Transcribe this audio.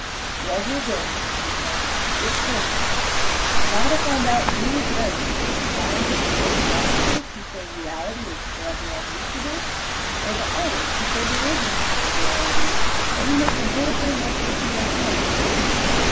"Well, here goes," he said. "It's finished. Now to find out who is right, the scientists and philosophers who say reality is forever unreachable, or the artists who say there isn't any reality that we make the whole thing up to suit ourselves."